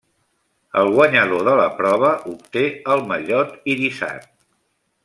El guanyador de la prova obté el mallot irisat.